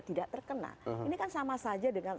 tidak terkena ini kan sama saja dengan